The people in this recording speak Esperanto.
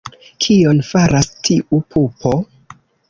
Kion faras tiu pupo?